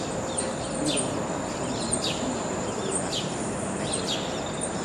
Uda honetan sona handiko filmak helduko dira zinema-aretoetara.